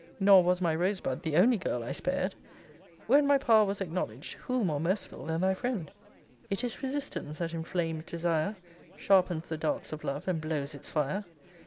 Nor was my Rosebud the only girl I spared: When my power was acknowledged, who more merciful than thy friend? It is resistance that inflames desire, Sharpens the darts of love, and blows its fire.